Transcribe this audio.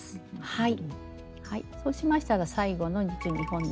はい。